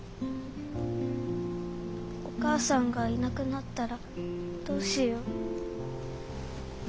お母さんがいなくなったらどうしよう。